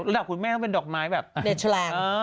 ระดับคุณแม่ต้องเป็นดอกไม้เบิร์ตเด็ดชลาง